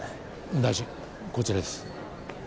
大臣こちらです。